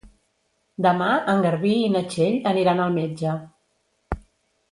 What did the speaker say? Demà en Garbí i na Txell aniran al metge.